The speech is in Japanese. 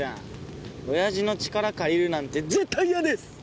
親父の力借りるなんて絶対嫌です。